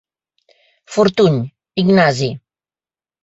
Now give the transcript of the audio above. Fortuny, Ignasi.